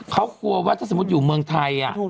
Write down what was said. เขากลัวว่าถ้าสมมุติอยู่เมืองไทย